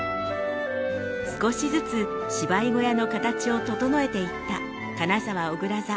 少しずつ芝居小屋の形を整えていった金沢おぐら座。